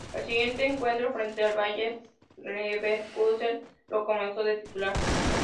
El siguiente encuentro, frente al Bayer Leverkusen, lo comenzó de titular.